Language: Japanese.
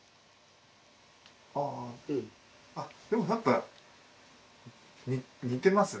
ああでもやっぱ似てますね誠さん。